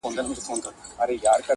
نور مغروره سو لويي ځني کيدله